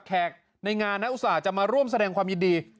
แขกในงานนักอุตส่าห์จะมาร่วมแสดงความยินดี